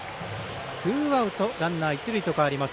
ツーアウト、ランナー、一塁と変わります。